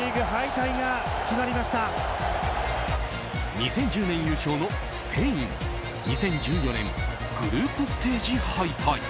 ２０１０年優勝のスペイン２０１４年グループステージ敗退。